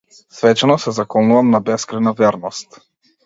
Свечено се заколнувам на бескрајна верност.